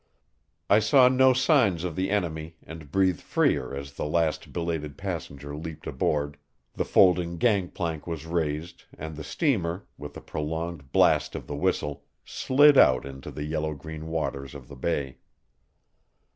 I saw no signs of the enemy, and breathed freer as the last belated passenger leaped aboard, the folding gang plank was raised, and the steamer, with a prolonged blast of the whistle, slid out into the yellow green waters of the bay.